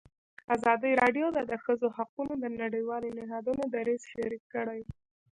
ازادي راډیو د د ښځو حقونه د نړیوالو نهادونو دریځ شریک کړی.